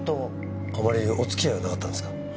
あまりお付き合いはなかったんですか？